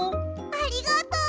ありがとう！